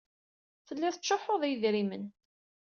Telliḍ tettcuḥḥuḍ i yedrimen.